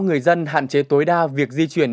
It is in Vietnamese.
người dân hạn chế tối đa việc di chuyển